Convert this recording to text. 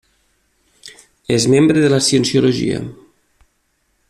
És membre de la Cienciologia.